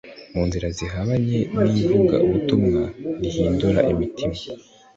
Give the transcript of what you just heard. mu nzira zihabanye n'ivugabutumwa rihindura imitima